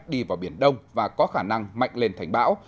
đi vào biển đông và có khả năng mạnh lên thành bão